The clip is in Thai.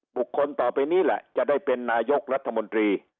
บุคคลต่อไปนี้แหละจะได้เป็นนายกรัฐมนตรี